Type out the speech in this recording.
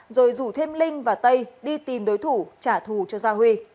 rồi rủ thêm linh và tây đi tìm đối thủ trả thù cho gia huy